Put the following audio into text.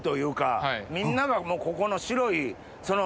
みんながここの。